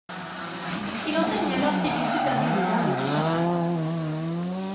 Il enseigne à l'Institut supérieur des arts de Tirana.